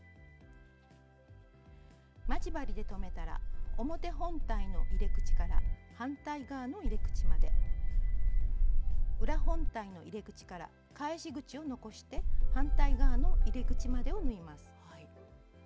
待ち針で留めたら表本体の入れ口から反対側の入れ口まで裏本体の入れ口から返し口を残して反対側の入れ口までを縫います。